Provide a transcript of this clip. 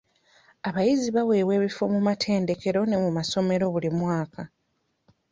Abayizi baaweebwa ebifo mu matendekero ne mu masomero buli mwaka.